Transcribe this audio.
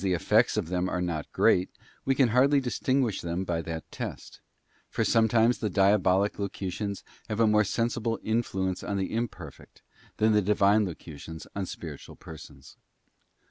effects of them are not great, we can hardly distinguish them by that test; for sometimes the diabolic locutions have a more sensible influence on the imperfect, than the Divine locutions on spiritual, persons.